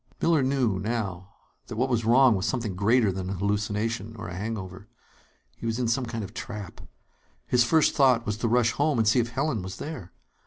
Miller knew, now, that what was wrong was something greater than a hallucination or a hangover. He was in some kind of trap. His first thought was to rush home and see if Helen was there.